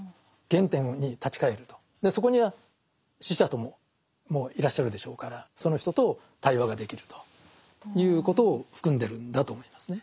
そこには死者ともいらっしゃるでしょうからその人と対話ができるということを含んでるんだと思いますね。